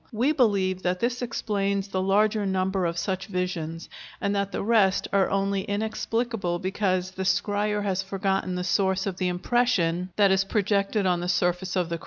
We believe that this explains the larger number of such visions, and that the rest are only inexplicable because the scryer has forgotten the source of the impression that is projected on the surface of the crystal.